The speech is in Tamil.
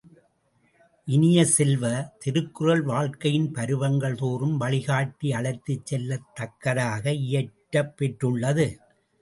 இனிய செல்வ, திருக்குறள் வாழ்க்கையின் பருவங்கள் தோறும் வழிகாட்டி அழைத்துச் செல்லத் தக்கதாக இயற்றப் பெற்றுள்ளது.